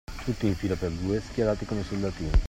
Tutti in fila per due, schierati come soldatini.